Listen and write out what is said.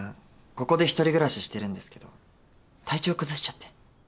ここで１人暮らししてるんですけど体調崩しちゃって。